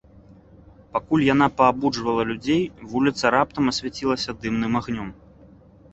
Пакуль яна паабуджвала людзей, вуліца раптам асвяцілася дымным агнём.